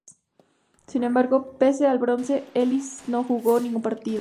Sin embargo, pese al bronce, Eli no jugó ningún partido.